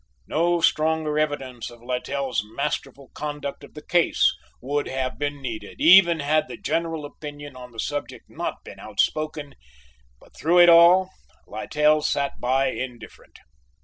No stronger evidence of Littell's masterful conduct of the case would have been needed even had the general opinion on the subject not been outspoken, but through it all Littell sat by indifferent.